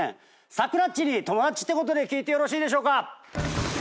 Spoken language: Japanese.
サクラっちに友達ってことで聞いてよろしいでしょうか？